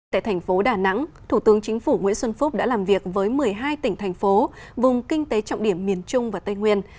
tại thành phố đà nẵng thủ tướng chính phủ nguyễn xuân phúc đã làm việc với một mươi hai tỉnh thành phố vùng kinh tế trọng điểm miền trung và tây nguyên